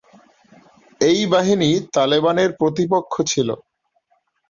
এই বাহিনী তালেবানের প্রতিপক্ষ ছিল।